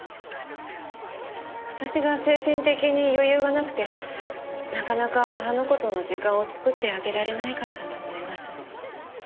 私が精神的に余裕がなくてなかなかあの子との時間を作ってあげられないからだと思います。